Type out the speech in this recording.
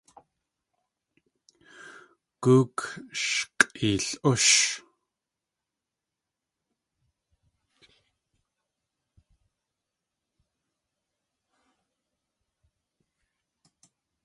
Góok sh k̲ʼeel.úsh!